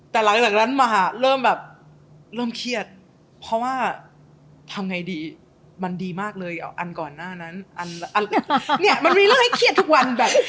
แต่หลังจากนั้นมหาเริ่มแบบเริ่มเครียดเพราะว่าทำไงดีมันดีมากเลยอันก่อนหน้านั้นอันเนี่ยมันมีเรื่องให้เครียดทุกวันแบบ